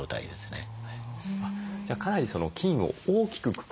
じゃあかなり菌を大きくくくる？